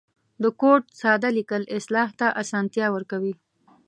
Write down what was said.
د کوډ ساده لیکل اصلاح ته آسانتیا ورکوي.